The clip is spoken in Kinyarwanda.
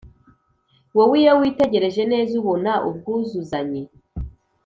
Wowe iyo witegereje neza ubona ubwuzuzanye